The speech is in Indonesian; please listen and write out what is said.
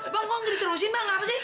bang kok gak diterusin bang apa sih